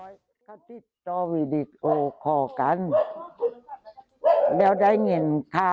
ยับเป็นเมียเขา